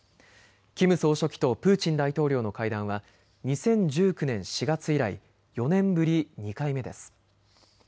キム総書記とプーチン大統領の会談は２０１９年４月以来４年ぶり２回目です。